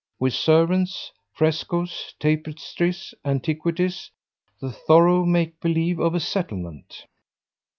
with servants, frescoes, tapestries, antiquities, the thorough make believe of a settlement."